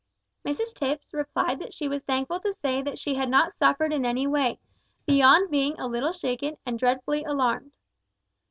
Mrs Tipps replied she was thankful to say that she had not suffered in any way, beyond being a little shaken and dreadfully alarmed.